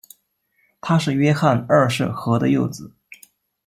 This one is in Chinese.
他是约翰二世和的幼子。